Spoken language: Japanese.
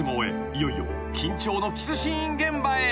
いよいよ緊張のキスシーン現場へ］